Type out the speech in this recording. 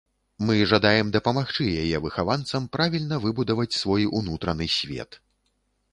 Мы жадаем дапамагчы яе выхаванцам правільна выбудаваць свой унутраны свет.